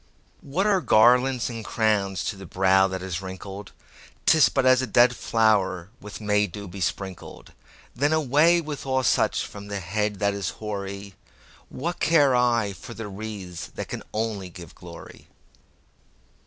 What are garlands and crowns to the brow that is wrinkled?'Tis but as a dead flower with May dew besprinkled:Then away with all such from the head that is hoary—What care I for the wreaths that can only give glory?